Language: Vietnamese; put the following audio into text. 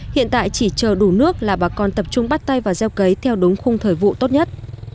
hiện tại chỉ chờ đủ nước là bà con tập trung bắt tay và gieo cấy theo đúng khung thời vụ tốt nhất